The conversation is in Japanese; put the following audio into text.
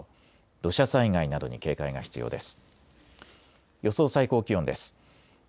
土砂災害などに警戒が必要です。